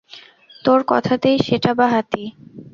তোর কথাতেই সেটা বাঁ-হাতি?